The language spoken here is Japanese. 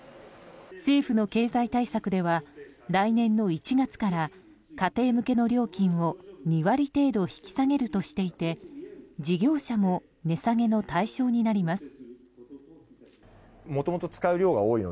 政府の経済対策では来年の１月から家庭向けの料金を２割程度引き下げるとしていて事業者も値下げの対象になります。